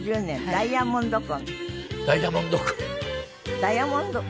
ダイヤモンド婚？